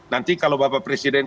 nanti kalau bapak presiden